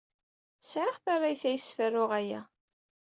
Sɛiɣ tarrayt ayyes ferruɣ aya.